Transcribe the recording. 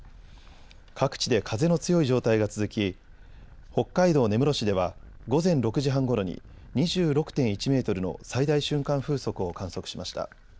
各地で風の強い状態が続き、北海道根室市では午前６時半ごろに２６．１メートルの最大瞬間風速を観測しました。